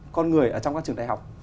con người trong các trường đại học